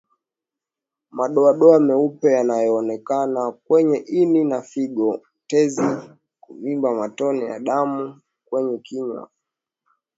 Madoadoa meupe yanaonekana kwenye ini na figoTezi kuvimba Matone ya damu kwenye kinywa